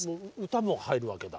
歌も入るわけだ。